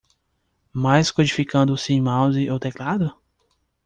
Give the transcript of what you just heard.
Mas codificando sem mouse ou teclado?